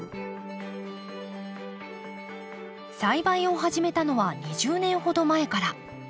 栽培を始めたのは２０年ほど前から。